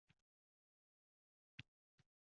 Bezovtalikka asos yo’q.